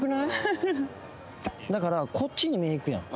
フフフだからこっちに目行くやん